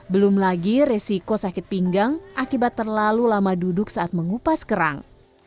belum lagi resiko sakit pinggang akibat terlalu lama duduk saat mengupas kerang